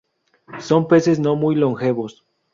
Son peces no muy longevos.